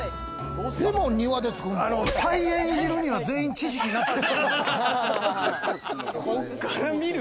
菜園いじるには全員知識なさ過ぎる。